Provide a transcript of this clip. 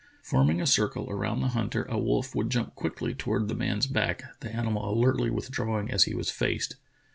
Forming a circle around the hunter, a wolf would jump quickly toward the man's back, the animal alertly withdrawing as he was faced.